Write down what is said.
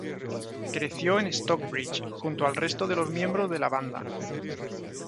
Creció en Stockbridge, junto al resto de los miembros de la banda.